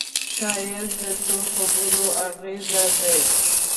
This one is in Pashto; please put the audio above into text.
ښایست د ښو خبرو اغېز دی